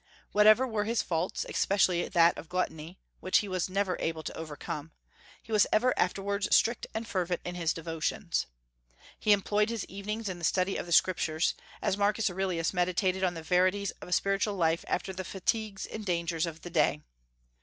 Whatever were his faults, especially that of gluttony, which he was never able to overcome, he was ever afterwards strict and fervent in his devotions. He employed his evenings in the study of the Scriptures, as Marcus Aurelius meditated on the verities of a spiritual life after the fatigues and dangers of the day.